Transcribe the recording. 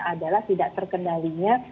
adalah tidak terkendalinya